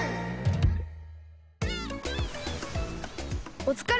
おつかれ。